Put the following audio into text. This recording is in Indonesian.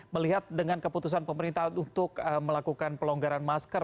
melihat dengan keputusan pemerintah untuk melakukan pelonggaran masker